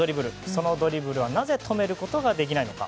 そのドリブルはなぜ止めることができないのか。